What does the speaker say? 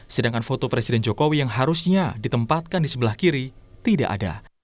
sedangkan foto presiden jokowi yang harusnya ditempatkan di sebelah kiri tidak ada